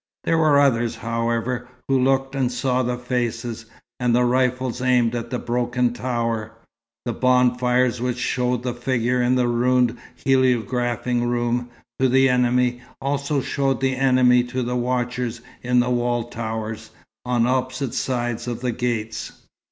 There were others, however, who looked and saw the faces, and the rifles aimed at the broken tower. The bonfires which showed the figure in the ruined heliographing room, to the enemy, also showed the enemy to the watchers in the wall towers, on opposite sides of the gates.